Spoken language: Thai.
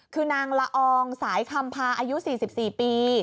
คือนางละอองสายคำพาอายุ๔๔ปี